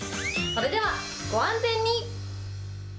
それではご安全に。